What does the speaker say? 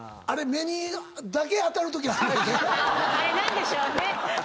あれ何でしょうね？